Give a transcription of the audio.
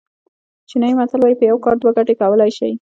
چینایي متل وایي په یو کار دوه ګټې کولای شي.